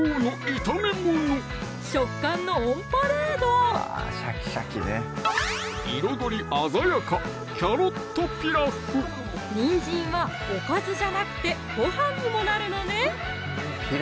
食感のオンパレード彩り鮮やかにんじんはおかずじゃなくてごはんにもなるのね